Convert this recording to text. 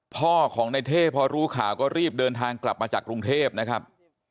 พ่อของในเท่พอรู้ข่าวก็รีบเดินทางกลับมาจากกรุงเทพนะครับ